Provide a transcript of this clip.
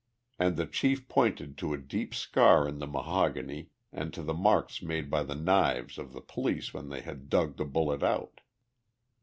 And the chief pointed to a deep scar in the mahogany and to the marks made by the knives of the police when they had dug the bullet out.